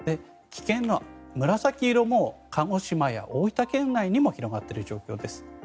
危険の紫色も鹿児島や大分県内にも広がっている状況です。